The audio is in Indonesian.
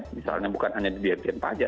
misalnya bukan hanya di dirjen pajak